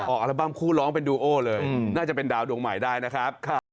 อัลบั้มคู่ร้องเป็นดูโอเลยน่าจะเป็นดาวดวงใหม่ได้นะครับ